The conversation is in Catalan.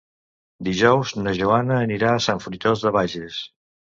Dijous na Joana anirà a Sant Fruitós de Bages.